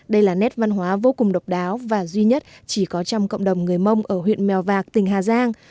đây là nét văn hóa vô cùng độc đáo và duy nhất chỉ có trong cộng đồng người mông ở huyện mèo vạc tỉnh hà giang